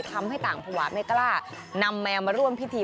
ทำให้ต่างภาวะไม่กล้านำแมวมาร่วมพิธี